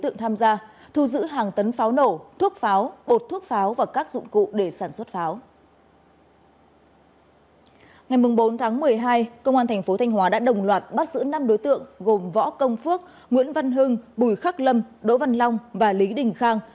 ngày bốn tháng một mươi hai công an thành phố thanh hóa đã đồng loạt bắt giữ năm đối tượng gồm võ công phước nguyễn văn hưng bùi khắc lâm đỗ văn long và lý đình khang